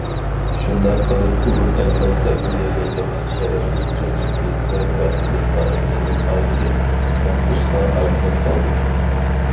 شۇنداق قىلىپ ئۇ ئەۋلاد تەربىيەلەيدىغان شەرەپلىك خىزمىتى ۋە بەختلىك ئائىلىسىدىن ئايرىلىپ، مەھبۇسقا ئايلىنىپ قالدى.